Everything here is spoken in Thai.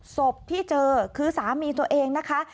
ศพที่เจอคือสามีตัวเองนะคะ